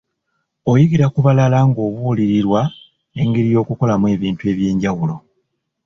Oyigira ku balala ng'obulirirwa engeri y'okukolamu ebintu eby'enjawulo.